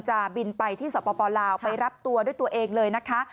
จะบินไปที่สปลาวไปรับตัวด้วยตัวเองเลยนะคะ